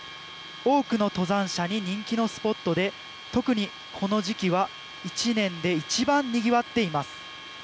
多くの登山者に人気のスポットで特に、この時期は１年で一番にぎわっています。